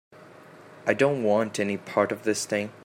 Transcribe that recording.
I don't want any part of this thing.